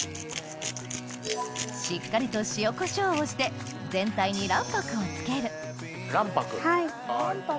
しっかりと塩コショウをして全体に卵白を付ける卵白。